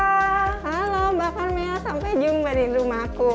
halo mbak karmel sampai jumpa di rumahku